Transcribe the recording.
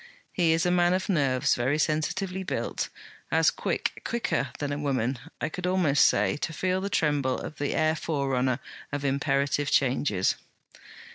He is a man of nerves, very sensitively built; as quick quicker than a woman, I could almost say, to feel the tremble of the air forerunner of imperative changes.'